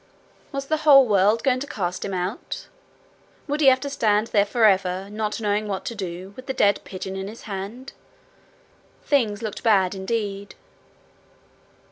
Was the whole world going to cast him out? Would he have to stand there forever, not knowing what to do, with the dead pigeon in his hand? Things looked bad indeed.